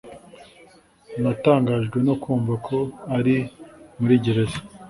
Natangajwe no kumva ko ari muri gereza